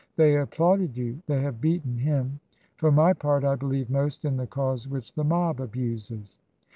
They applauded you. They have beaten him. For my part, I believe most in the cause which the mob abuses."